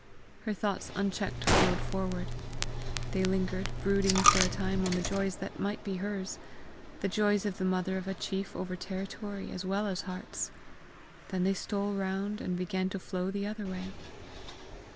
Her thoughts unchecked flowed forward. They lingered brooding for a time on the joys that might be hers the joys of the mother of a chief over territory as well as hearts. Then they stole round, and began to flow the other way.